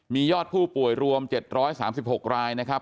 มียอดผู้ป่วยรวม๗๓๖รายนะครับ